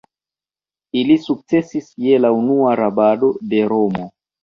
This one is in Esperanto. Ili sukcesis je la unua rabado de Romo.